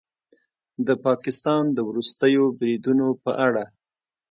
د پاکستان د وروستیو بریدونو په اړه